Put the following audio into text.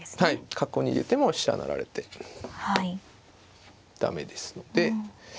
角を逃げても飛車成られて駄目ですので。